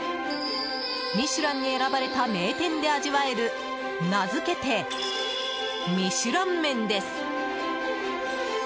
「ミシュラン」に選ばれた名店で味わえる名付けてミシュラン麺です。